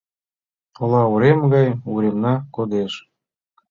Ола урем гай уремна кодеш